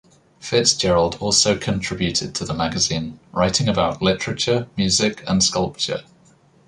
Fitzgerald also contributed to the magazine, writing about literature, music, and sculpture.